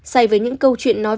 say với những câu chuyện nói